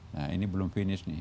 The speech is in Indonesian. nah ini belum finish nih